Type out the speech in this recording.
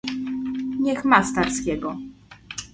"niech ma Starskiego!..."